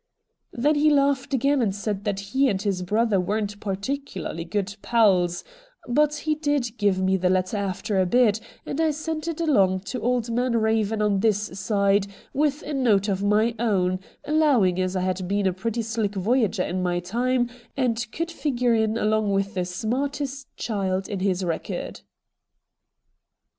' Then he laucrhed acrain and said that he and his brother weren't particularly good pals — but he did give me the letter after a bit, and I sent it along to old man Raven on this side with a note of my own, allowing as I had been a pretty slick voyager in my time and could figure in along with the smartest child in his record.'